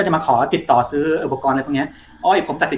ก็จะมาขอติดต่อซื้ออุปกรณ์อะไรพวกนี้